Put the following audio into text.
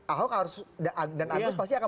ahok harus dan agus pasti akan